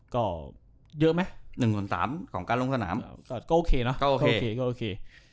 ก็เยอะไหม๑๓ของการลงสนามก็โอเคนะก็โอเค